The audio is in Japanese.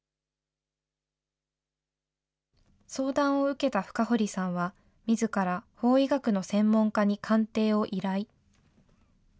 相談を受けた深堀さんは、みずから法医学の専門家に鑑定を依頼。